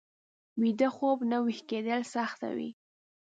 ویده خوب نه ويښ کېدل سخته وي